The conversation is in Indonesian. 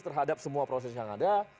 terhadap semua proses yang ada